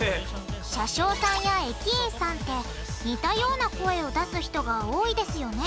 車掌さんや駅員さんって似たような声を出す人が多いですよね